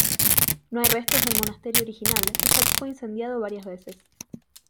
No hay restos del monasterio original, ya que fue incendiado varias veces.